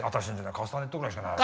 カスタネットぐらいしかないわ。